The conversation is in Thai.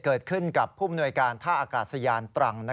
เกิดขึ้นกับผู้มนวยการท่าอากาศยานตรัง